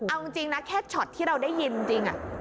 เอาจริงนะแค่ช็อตที่เราได้ยินจริง